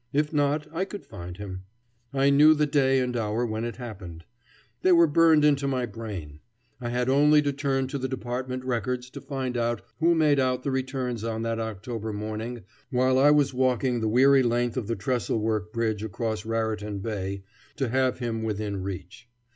If not, I could find him. I knew the day and hour when it happened. They were burned into my brain. I had only to turn to the department records to find out who made out the returns on that October morning while I was walking the weary length of the trestle work bridge across Raritan Bay, to have him within reach.